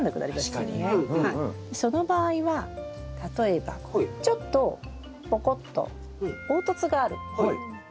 その場合は例えばちょっとポコッと凹凸があるシール